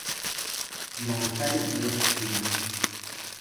Dans le Palais d'Hercule.